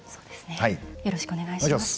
よろしくお願いします。